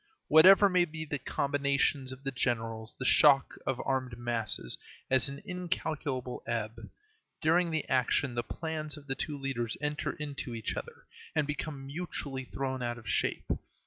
Whatever may be the combinations of the generals, the shock of armed masses has an incalculable ebb. During the action the plans of the two leaders enter into each other and become mutually thrown out of shape.